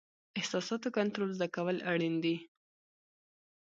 احساساتو کنټرول زده کول اړین دي.